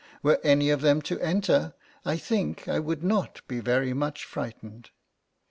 Were any of them to enter, I think I should not be very much frightened....'